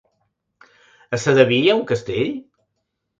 A Sedaví hi ha un castell?